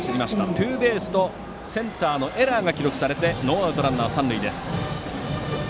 ツーベースとセンターのエラーが記録されてノーアウトランナー、三塁です。